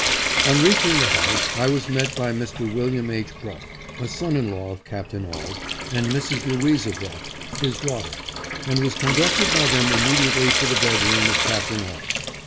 On reaching the house I was met by Mr. Wm. H. Bruff, a son in law of Capt. Auld, and Mrs. Louisa Bruff, his daughter, and was conducted by them immediately to the bed room of Capt. Auld.